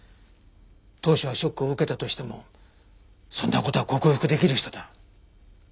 当初はショックを受けたとしてもそんな事は克服できる人だ。